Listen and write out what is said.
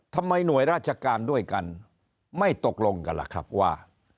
หน่วยราชการด้วยกันไม่ตกลงกันล่ะครับว่า